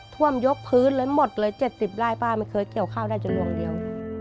ท่วมยกพื้นเลยหมดเลย๗๐ไร่ป้าไม่เคยเกี่ยวข้าวได้จนรวงเดียว